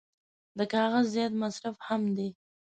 د کاغذ زیات مصرف هم دی.